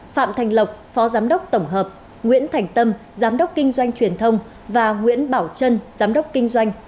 phạm thành lộc phó giám đốc tổng hợp nguyễn thành tâm giám đốc kinh doanh truyền thông và nguyễn bảo trân giám đốc kinh doanh